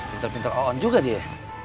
pintar pintar oon juga dia